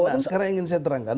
nah sekarang ingin saya terangkan